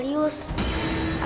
astri gak tau nenek itu siapa